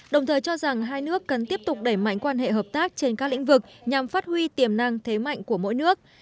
đồng thời cho rằng hai nước cần tiếp tục đẩy mạnh quan hệ hợp tác trên các lĩnh vực nhằm phát huy tiềm năng thế mạnh của mỗi nước